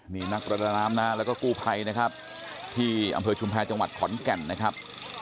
นี่นักประดาน้ำนะฮะแล้วก็กู้ภัยนะครับที่อำเภอชุมแพรจังหวัดขอนแก่นนะครับ